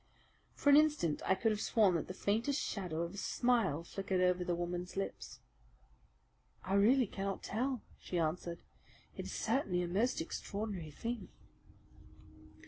For an instant I could have sworn that the faintest shadow of a smile flickered over the woman's lips. "I really cannot tell," she answered. "It is certainly a most extraordinary thing."